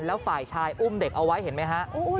แล้วฝ่ายชายอุ้มเด็กเอาไว้เห็นไหมฮะ